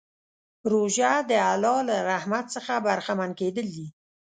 روژه د الله له رحمت څخه برخمن کېدل دي.